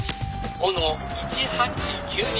「“お”の１８−９２」